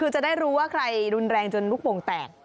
คือจะได้รู้ว่าใครรุนแรงจนลูกโป่งแตก